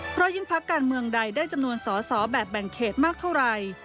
เพราะยิ่งพักการเมืองใดได้จำนวนสอสอแบบแบ่งเขตมากเท่าไหร่